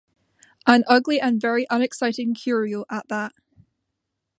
An ugly and very unexciting curio at that!